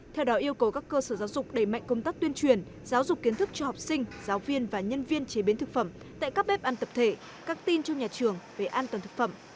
theo đó yêu cầu các cơ sở giáo dục đẩy mạnh công tác tuyên truyền giáo dục kiến thức cho học sinh giáo viên và nhân viên chế biến thực phẩm tại các bếp ăn tập thể các tin trong nhà trường về an toàn thực phẩm